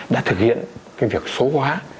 đã thực hiện việc số hóa